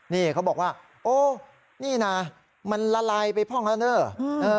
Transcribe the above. นี่เขาบอกว่าโอ้นี่นะมันละลายไปพ่องแล้วเนอะ